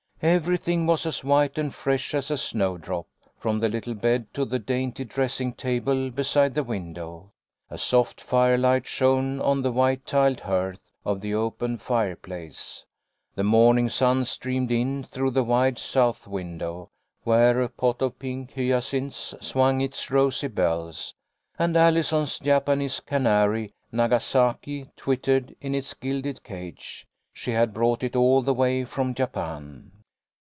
Everything was as white and fresh as a snowdrop, from the little bed to the dainty dressing table beside the window. A soft firelight shone on the white tiled hearth of the open fireplace. The morning sun streamed in through the wide south window, where a pot of pink hyacinths swung its rosy bells, and Alli son's Japanese canary, Nagasaki, twittered in its gilded cage. She had brought it all the way from Japan.